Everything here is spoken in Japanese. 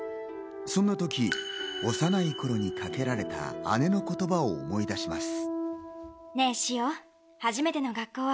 そんなとき、幼い頃にかけられた、姉の言葉を思い出します。